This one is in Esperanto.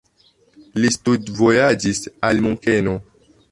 Li studvojaĝis al Munkeno.